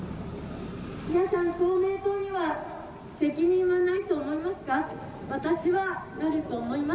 皆さん、公明党には責任はないと思いますか。